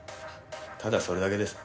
ただそれだけです。